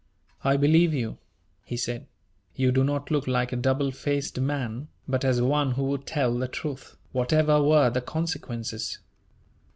"I believe you," he said. "You do not look like a double faced man, but as one who would tell the truth, whatever were the consequences.